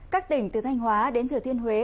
các tỉnh từ thanh hóa đến thừa thiên huế